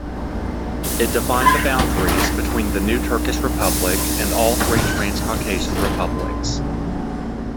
It defined the boundaries between the new Turkish Republic and all three Transcaucasian republics.